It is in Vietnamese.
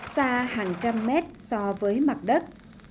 xa hàng trăm mét so với mặt đất